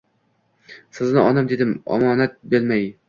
Sizni onam dedim omonat bilmay